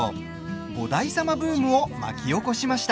五代様ブームを巻き起こしました。